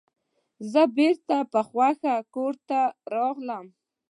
زه بیرته په خوښۍ کور ته راغلم.